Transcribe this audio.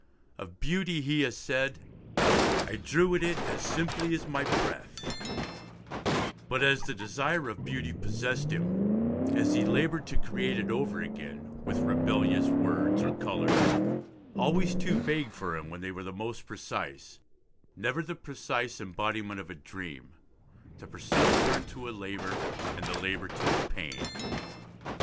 Of beauty he has said, 'I drew it in as simply as my breath,' but, as the desire of beauty possessed him, as he laboured to create it over again, with rebellious words or colours, always too vague for him when they were most precise, never the precise embodiment of a dream, the pursuit turned to a labour and the labour to a pain.